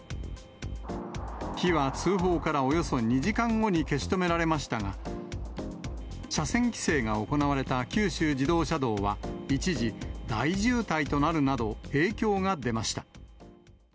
火は通報からおよそ２時間後に消し止められましたが、車線規制が行われた九州自動車道は一時、大渋滞となるなど、影響が出ました。